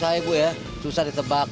susah ya bu ya susah ditebak